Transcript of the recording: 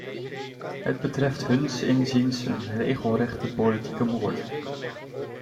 Het betreft huns inziens een regelrechte politieke moord.